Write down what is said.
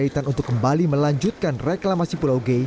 kaitan untuk kembali melanjutkan reklamasi pulau g